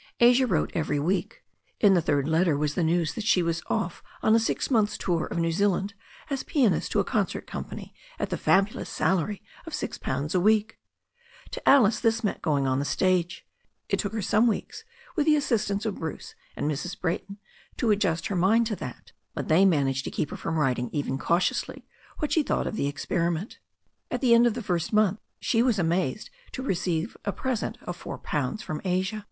Asia wrote every week. In the third letter was the news that she was off on a six months' tour of New Zealand as pianist to a concert company at the fabulous salary of six pounds a week. To Alice this meant going on the stage. It took her some weeks, with the assistance of Bruce and Mrs. Brayton, to adjust her mind to that, but they man 248 THE STORY OF A NEW ZEALAND RIVER aged to keep her from writing, even cautiously, what she thought of the experiment. At the end of the first month she was amazed to receive a present of four pounds from Asia.